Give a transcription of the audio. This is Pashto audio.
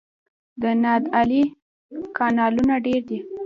د نادعلي کانالونه ډیر دي